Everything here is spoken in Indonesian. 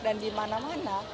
dan di mana mana